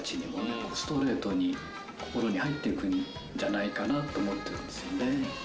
ストレートに心に入っていくんじゃないかなと思ってるんですよね。